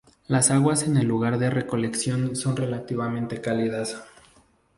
Las aguas en el lugar de recolección son relativamente cálidas.